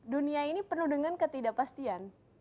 dunia ini penuh dengan ketidakpastian